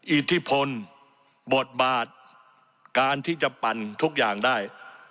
อิทธิพลบทบาทการที่จะปั่นทุกอย่างได้